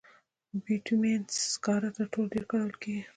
بټومینس سکاره تر ټولو ډېر کارول کېږي.